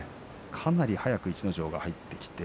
かなり早く逸ノ城が入ってきました。